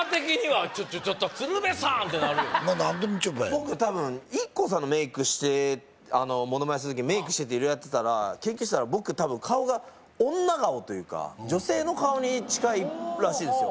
僕多分ＩＫＫＯさんのメイクしてモノマネする時メイクしてて色々やってたら研究してたら僕多分というか女性の顔に近いらしいですよ